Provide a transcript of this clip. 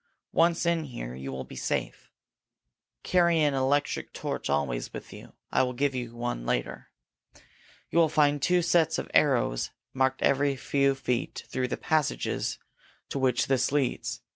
Once in here, you will be safe. Carry an electric torch always with you. I will give you one later. You will find two sets of arrows marked every few feet through the passages to which this leads.